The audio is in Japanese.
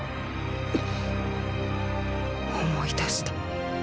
っ⁉思い出した。